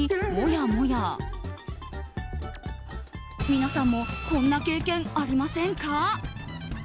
皆さんもこんな経験ありませんか？